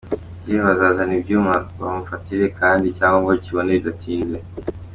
Yewe, bazazana ibyuma bamugufatire kandi icyangombwa ukibone bidatinze.